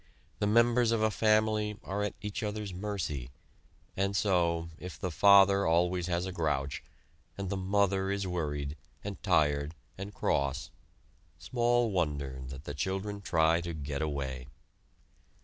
The members of a family are at each other's mercy; and so, if the "father" always has a grouch, and the "mother" is worried, and tired, and cross, small wonder that the children try to get away.